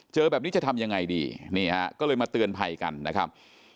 เจอแบบนี้จะทำยังไงดีนี่ฮะก็เลยมาเตือนภัยกันนะครับ